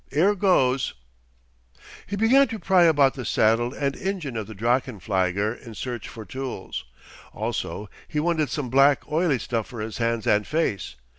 'Ere goes." He began to pry about the saddle and engine of the drachenflieger in search for tools. Also he wanted some black oily stuff for his hands and face.